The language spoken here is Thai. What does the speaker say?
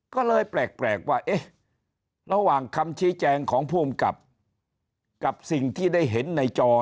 ก็เลยแปลกว่าเอ๊ะระหว่างคำชี้แจงของภูมิกับกับสิ่งที่ได้เห็นในจอ